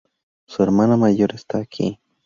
Su hermana mayor está aquí.